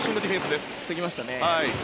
防ぎましたね。